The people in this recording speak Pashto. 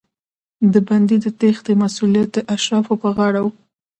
د بندي د تېښتې مسوولیت د اشرافو پر غاړه و.